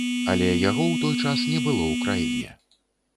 Але яго ў той час не было ў краіне.